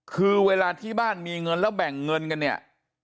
คือเวลาที่บ้านมีเงินแล้วแบ่งเงินกันเนี่ย